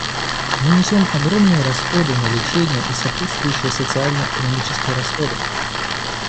Мы несем огромные расходы на лечение и сопутствующие социально-экономические расходы.